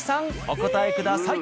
お答えください。